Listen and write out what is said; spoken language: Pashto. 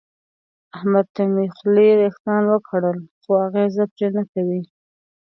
احمد ته مې خولې وېښتان وکړل خو اغېزه پرې نه کوي.